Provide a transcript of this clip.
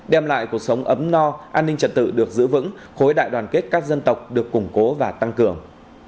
đem lại cuộc sống ấm no an ninh trật tự được giữ vững khối đại đoàn kết các dân tộc được củng cố và tăng cường